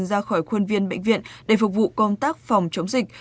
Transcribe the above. ra khỏi khuôn viên bệnh viện để phục vụ công tác phòng chống dịch